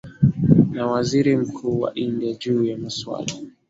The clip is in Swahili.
na waziri mkuu wa india juu ya maswala